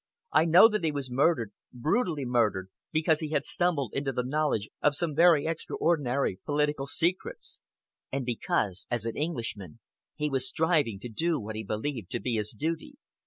I know that he was murdered, brutally murdered, because he had stumbled into the knowledge of some very extraordinary political secrets; and because, as an Englishman, he was striving to do what he believed to be his duty.